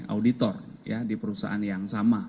auditor di perusahaan yang sama